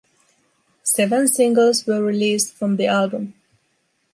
Seven singles were released from the album.